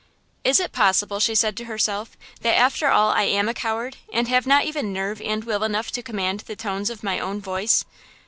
"Is it possible," she said to herself, "that after all I am a coward and have not even nerve and will enough to command the tones of my own voice?